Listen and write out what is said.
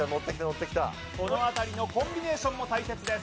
このあたりのコンビネーションも大切です